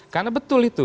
karena betul itu